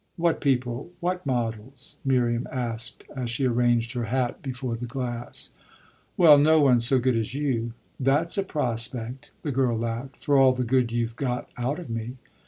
"What people what models?" Miriam asked as she arranged her hat before the glass. "Well, no one so good as you." "That's a prospect!" the girl laughed "for all the good you've got out of me!"